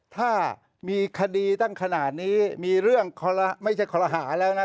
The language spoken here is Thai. ถ้ามีคดีตั้งขนาดนี้มีเรื่องไม่ใช่คอลหาแล้วนะ